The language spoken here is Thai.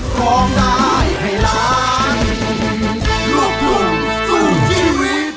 โปรดติดตามตอนต่อไป